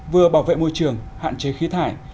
vừa bảo vệ môi trường hạn chế khí thải